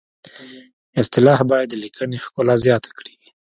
اصطلاح باید د لیکنې ښکلا زیاته کړي